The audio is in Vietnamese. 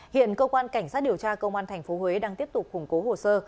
hiện cơ quan cảnh sát điều tra công an tp huế đang tiếp tục khủng cố hồ sơ